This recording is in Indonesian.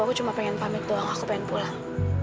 aku cuma pengen pamit doang aku pengen pulang